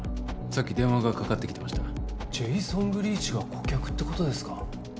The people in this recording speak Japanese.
さっき電話がかかってきてましたジェイソン・グリーチが顧客ってことですか？